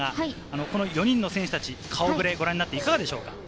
この４人の選手たち、顔触れをご覧になっていかがでしょうか？